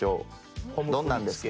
どんなんですか？